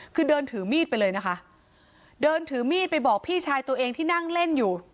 คือเดินถือมีดไปเลยนะคะเดินถือมีดไปบอกพี่ชายตัวเองที่นั่งเล่นอยู่